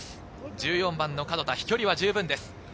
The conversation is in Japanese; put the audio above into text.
１４番の角田、飛距離は十分です。